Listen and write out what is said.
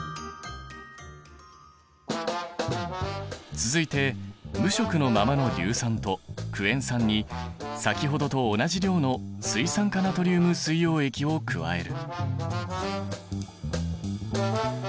続いて無色のままの硫酸とクエン酸に先ほどと同じ量の水酸化ナトリウム水溶液を加える。